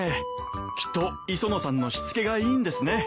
きっと磯野さんのしつけがいいんですね。